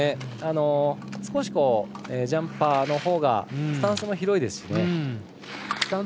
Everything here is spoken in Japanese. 少し、ジャンパのほうがスタンスも広いですし。